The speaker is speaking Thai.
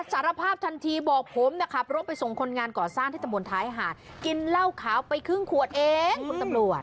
สารภาพทันทีบอกผมเนี่ยขับรถไปส่งคนงานก่อสร้างที่ตะมนต์ท้ายหาดกินเหล้าขาวไปครึ่งขวดเองคุณตำรวจ